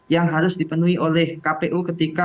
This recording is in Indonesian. yang harus dipenuhi oleh kpu ketika